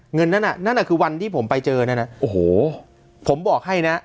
เงินนั้นน่ะนั่นน่ะคือวันที่ผมไปเจอนั่นน่ะโอ้โหผมบอกให้นะ